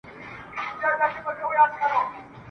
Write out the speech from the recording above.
څوک چي په ژوند کي سړی آزار کي ..